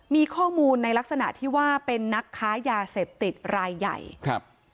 มีข้อมูลในลักษณะที่ว่าเป็นนักค้ายาเสพติดรายใหญ่ครับ